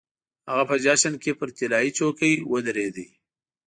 هغه په جشن کې پر طلايي څوکۍ ودرېد.